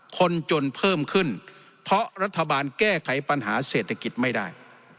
คนจนเพิ่มขึ้นเพราะรัฐบาลแก้ไขปัญหาเศรษฐกิจไม่ได้